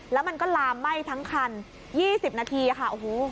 แล้วมันก็ลามไหม้ทั้งคัน๒๐นาทีค่ะโอ้โห